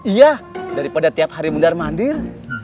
iya daripada tiap hari mundar mandir